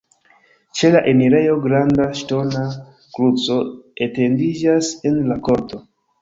Ĉe la enirejo granda ŝtona kruco etendiĝas en la korto.